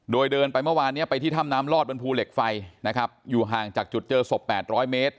โดยเดินไปเมื่อวานนี้ไปที่ถ้ำน้ำลอดบนภูเหล็กไฟนะครับอยู่ห่างจากจุดเจอศพ๘๐๐เมตร